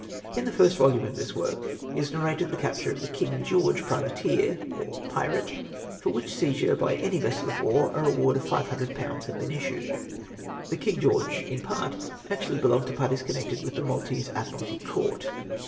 In the first volume of this work is narrated the captiu'e of the King George pri vateer, or pmite, for which seizure by any vessel of war a reward of 500/. had been issued. The King George in part actually belonged to parties connected with the Maltese Admiralty Court.